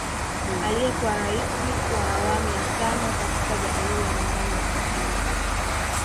Aliyekuwa Rais wa awamu ya tano katika Jamuhuri ya Munguno wa Tanzania